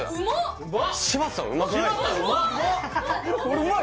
俺うまい？